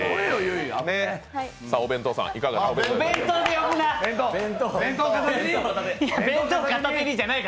さあ、お弁当さん、いかがでしたか？